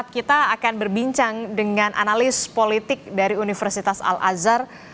kita akan berbincang dengan analis politik dari universitas al azhar